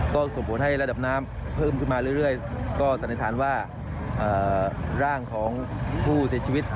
ก็ส่งผลให้ระดับน้ำเพิ่มขึ้นมาเรื่อยก็สันนิษฐานว่าร่างของผู้เสียชีวิต